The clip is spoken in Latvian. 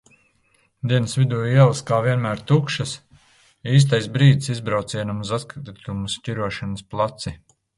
Dienas vidū ielas kā vienmēr tukšas, īstais brīdis izbraucienam uz atkritumu šķirošanas placi.